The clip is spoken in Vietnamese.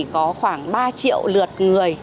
có khoảng ba triệu lượt người